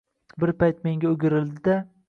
Bir payt menga o‘girildi-da: